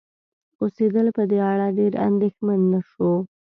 اوسیدل په دې اړه ډېر اندیښمن نشو